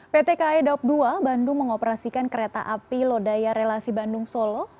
pt kai daup dua bandung mengoperasikan kereta api lodaya relasi bandung solo